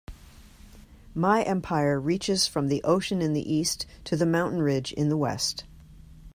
My empire reaches from the ocean in the East to the mountain ridge in the West.